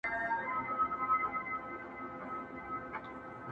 ستیوري به تسخیر کړمه راکړي خدای وزري دي.